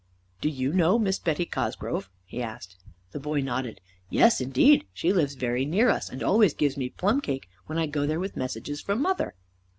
"Do you know Miss Betty Cosgrove?" he asked. The boy nodded. "Yes, indeed. She lives very near us, and always gives me plum cake when I go there with messages from mother."